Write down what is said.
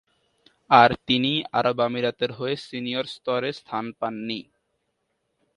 আর তিনি আরব আমিরাতের হয়ে সিনিয়র স্তরে স্থান পাননি।